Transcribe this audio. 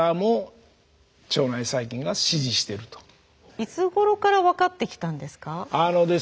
いつ頃から分かってきたんですか？